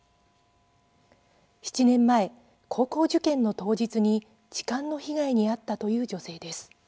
７年前、高校受験の当日に痴漢の被害に遭ったという女性です。